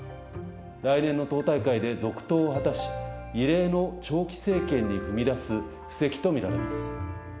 来年の党大会で続投を果たし、異例の長期政権に踏み出す布石と見られます。